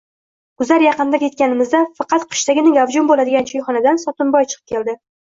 Guzar yaqiniga yetganimizda faqat qishdagina gavjum boʻladigan choyxonadan Sotimboy chiqib keldi.